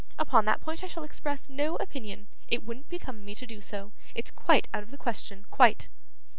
Upon that point I shall express no opinion, it wouldn't become me to do so, it's quite out of the question, quite.